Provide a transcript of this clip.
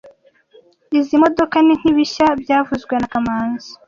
Izoi modoka ni nkibishya byavuzwe na kamanzi